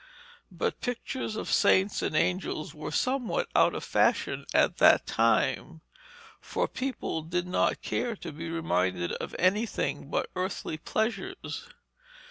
But pictures of saints and angels were somewhat out of fashion at that time, for people did not care to be reminded of anything but earthly pleasures.